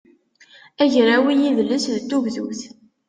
agraw i yidles d tugdut